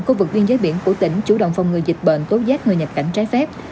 khu vực viên giới biển của tỉnh chủ động phòng người dịch bệnh tốt giác người nhập cảnh trái phép